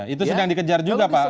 itu sedang dikejar juga pak